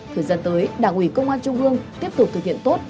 thời gian tới đảng ủy công an trung ương tiếp tục thực hiện tốt